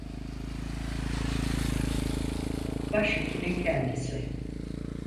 Başvekilin kendisi…